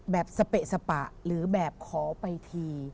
สเปะสปะหรือแบบขอไปที